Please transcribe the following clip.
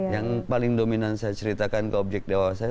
yang paling dominan saya ceritakan ke objek dakwah saya